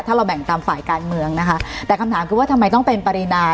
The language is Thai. ถ้าเราแบ่งตามฝ่ายการเมืองนะคะแต่คำถามคือว่าทำไมต้องเป็นปรินา